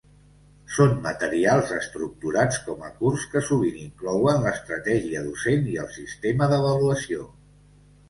Són materials estructurats com a curs que sovint inclouen l'estratègia docent i el sistema d'avaluació.